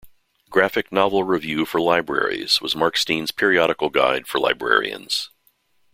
"Graphic Novel Review for Libraries" was Markstein's periodical guide for librarians.